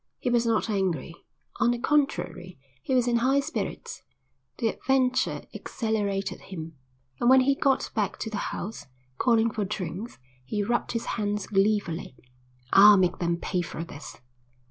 He was not angry. On the contrary, he was in high spirits; the adventure exhilarated him, and when they got back to the house, calling for drinks, he rubbed his hands gleefully. "I'll make them pay for this!"